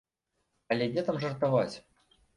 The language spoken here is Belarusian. Але дзе там жартаваць!